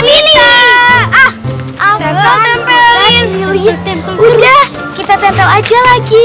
kavaron ya udah kita tengok aja lagi